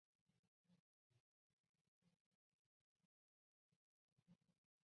同时意大利政府派三艘战舰驶进中国海域。